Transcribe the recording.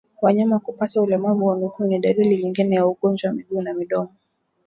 Wanyama kupata ulemavu wa miguu ni dalili nyingine ya ugonjwa miguu na midomo